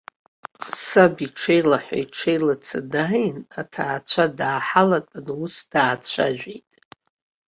Саб иҽеилаҳәа-иҽеилаца дааин, аҭаацәа дааҳалатәан, ус даацәажәеит.